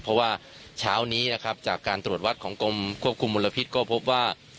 เพราะว่าเช้านี้นะครับจากการตรวจวัดของกรมควบคุมมลพิษก็พบว่า